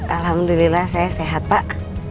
alhamdulillah saya sehat pak